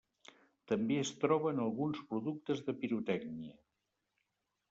També es troba en alguns productes de pirotècnia.